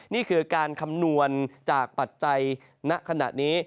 นี่คือการคำนวณจากปัจจัยณขณะนี้